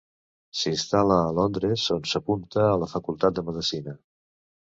S'instal·la a Londres on s'apunta a la facultat de medicina.